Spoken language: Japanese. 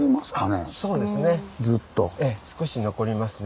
ええ少し残りますね。